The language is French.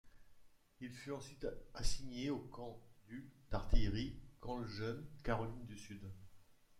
Il fut ensuite assigné au camp du d'artillerie, Camp Lejeune, Caroline du Nord.